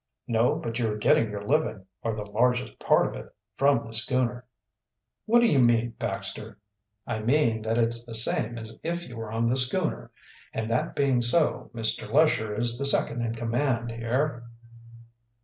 "No, but you are getting your living or the largest part of it from the schooner." "What do you mean, Baxter?" "I mean that it's the same as if you were on the schooner. And that being so, Mr. Lesher is the second in command here."